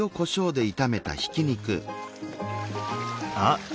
あっ！